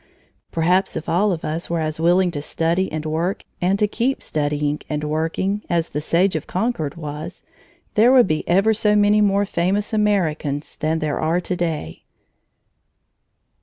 Perhaps if all of us were as willing to study and work, and to keep studying and working, as the Sage of Concord was, there would be ever so many more famous Americans than there are to day.